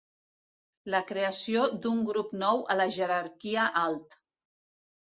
La creació d'un grup nou a la jerarquia alt.